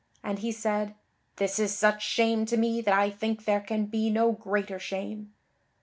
And he said: "This is such shame to me that I think there can be no greater shame."